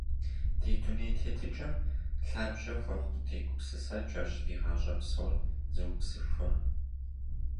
Ди дуней тетыкӀэм лъабжьэ хуэхъу ди гупсысэкӀэрщ ди гъащӀэ псор зыубзыхур.